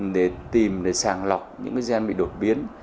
để tìm để sàng lọc những cái gen bị đột biến